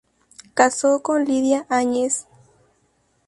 Casó con Lydia Añez.